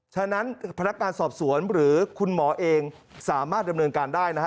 ฉะนั้นพนักงานสอบสวนหรือคุณหมอเองสามารถดำเนินการได้นะฮะ